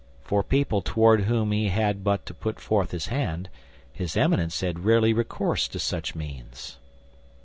For people toward whom he had but to put forth his hand, his Eminence had rarely recourse to such means.